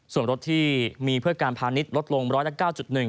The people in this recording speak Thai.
ส่วนรถที่มีเพื่อการพาณิชย์ลดลงร้อยละ๙๑